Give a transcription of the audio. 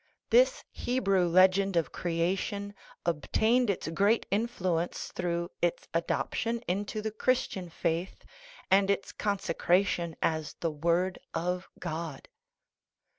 This Hebrew legend of creation ob tained its great influence through its adoption into the Christian faith and its consecration as the " Word of God."